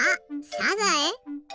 サザエ？